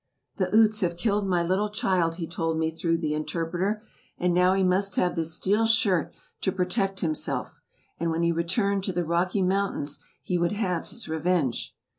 "The Utes have killed my little child," he told me through the interpreter; and now he must have this steel shirt to protect himself; and when he returned to the Rocky Mountains he would have his revenge.